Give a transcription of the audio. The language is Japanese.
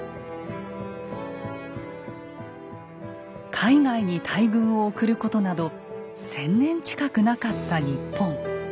海外に大軍を送ることなど１，０００年近くなかった日本。